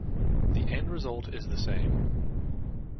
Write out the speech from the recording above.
The end result is the same.